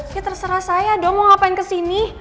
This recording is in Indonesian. ya terserah saya dong mau ngapain kesini